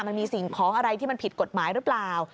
มันมีสิ่งของอะไรที่มันผิดกฎหมายหรือเปล่า